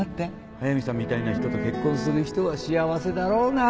速見さんみたいな人と結婚する人は幸せだろうな